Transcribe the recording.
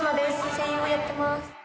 声優をやってます